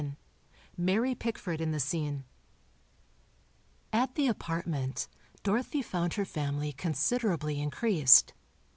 VII MARY PICKFORD IN THE SCENE At the apartment, Dorothy found her family considerably increased.